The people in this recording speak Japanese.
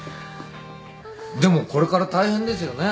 でもこれから大変ですよね。